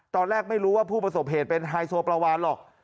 ตอนแรกไม่รู้ว่าผู้ประสบเหตุเป็นไฮโซปลาวานหรอก